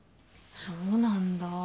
そうなんだ。